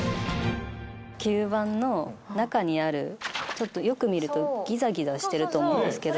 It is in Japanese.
ちょっとよく見るとギザギザしてると思うんですけど。